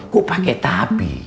kok pakai tapi